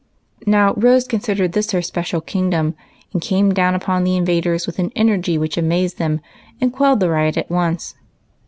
Now Rose considered this her special kingdom, and came down upon the invaders with an energy which amazed them and quelled the riot at once.